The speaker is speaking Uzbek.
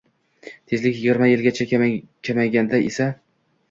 Tezlik yigirma milgacha kamayganda esa